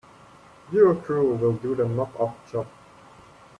Your crew will do the mop up job.